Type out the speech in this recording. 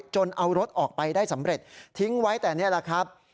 จนเอารถออกไปได้สำเร็จทิ้งไว้แต่นี่แหละครับ